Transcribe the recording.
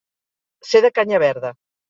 Ser de canya verda.